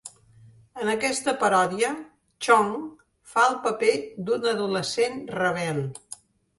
En aquesta paròdia, Chong fa el paper d'un adolescent rebel.